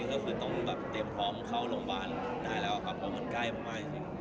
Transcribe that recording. ก็คือต้องแบบเตรียมพร้อมเข้าโรงพยาบาลได้แล้วครับเพราะมันใกล้มากจริง